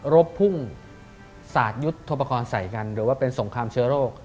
รบพุ่งสาดยุทธโปรกรณ์ใส่กันหรือว่าเป็นสงครามเชื้อโรค